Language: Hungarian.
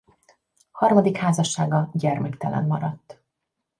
Harmadik házassága gyermektelen maradt.